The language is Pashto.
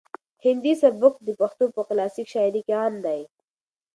هندي سبک د پښتو په کلاسیک شاعري کې عام دی.